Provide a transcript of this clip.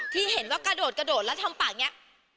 ที่เห็นว่ากะโดดแล้วทำปากงี้